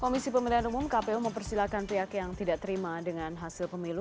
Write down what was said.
komisi pemilihan umum kpu mempersilahkan pihak yang tidak terima dengan hasil pemilu